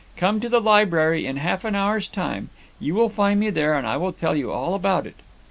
'Come to the library in half an hour's time. You will find me there, and I will tell you all about it.'